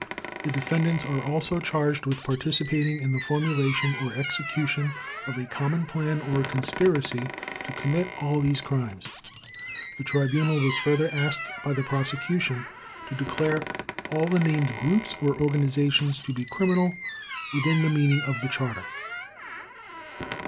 The defendants are also charged with participating in the formulation or execution of a common plan or conspiracy to commit all these crimes. The Tribunal was further asked by the Prosecution to declare all the named groups or organizations to be criminal within the meaning of the Charter.